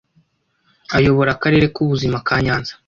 uyobora akarere k'ubuzima ka nyanza